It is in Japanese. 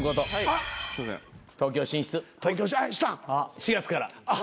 ４月から。